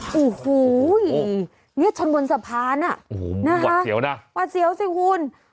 เชิดบนสะพานอ๋อวัดเสียวสิคุณ